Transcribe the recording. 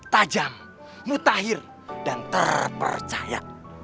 tajam mutakhir dan terpercaya